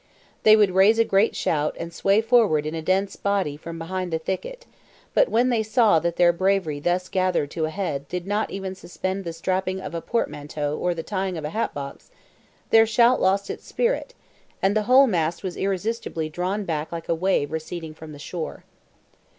They would raise a great shout and sway forward in a dense body from behind the thicket; but when they saw that their bravery thus gathered to a head did not even suspend the strapping of a portmanteau or the tying of a hatbox, their shout lost its spirit, and the whole mass was irresistibly drawn back like a wave receding from the shore.